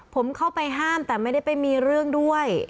ผมเข้าไปห้ามแต่ไม่ได้ไปมีเรื่องด้วย